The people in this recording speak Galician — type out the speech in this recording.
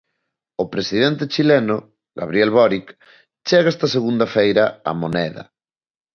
O presidente chileno, Gabriel Boric, chega esta segunda feira á Moneda.